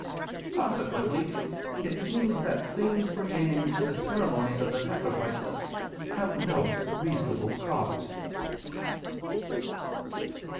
Consequently it seems that things pertaining to the ceremonies of the sacrifices have no reasonable cause.